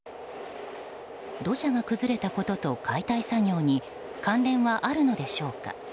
土砂が崩れたことと解体作業に関連はあるのでしょうか。